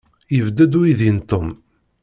Yebded uydi n Tom.